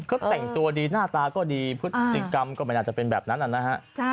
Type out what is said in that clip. ก็แต่งตัวดีหน้าตาก็ดีพฤติกรรมก็ไม่น่าจะเป็นแบบนั้นนะฮะ